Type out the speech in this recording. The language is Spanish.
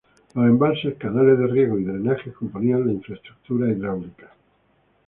Los embalses, canales de riego y drenajes componían la infraestructura hidráulica.